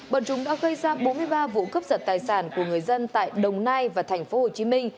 bọn chúng đã gây ra bốn mươi ba vụ cướp giật tài sản của người dân tại đồng nai và tp hcm